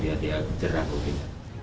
iya dia jerak mungkin